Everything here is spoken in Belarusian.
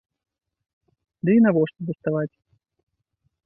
Ды і навошта даставаць?